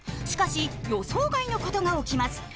しかし予想外のことが起きます。